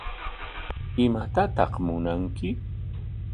¿Imatataq munanki?